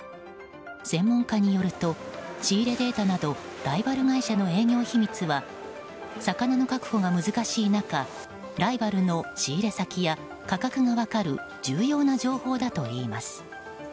専門家によると仕入れデータなどライバル会社の営業秘密は魚の確保が難しい中ライバルの仕入れ先や価格が分かる重要な情報だといいます。